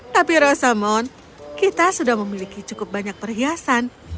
tapi rosamon kita sudah memiliki cukup banyak perhiasan